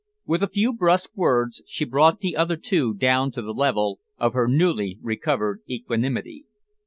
With a few brusque words she brought the other two down to the level of her newly recovered equanimity.